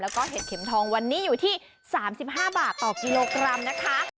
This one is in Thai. แล้วก็เห็ดเข็มทองวันนี้อยู่ที่๓๕บาทต่อกิโลกรัมนะคะ